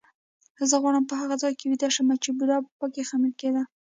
زه غواړم په هغه ځای کې ویده شم چې بوډا به پکې خمیر کېده.